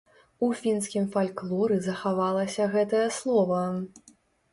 У фінскім фальклоры захавалася гэтае слова.